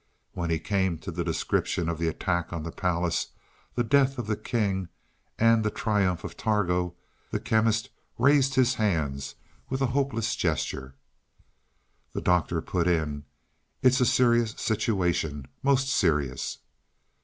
When he came to a description of the attack on the palace, the death of the king, and the triumph of Targo, the Chemist raised his hands with a hopeless gesture. The Doctor put in: "It's a serious situation most serious."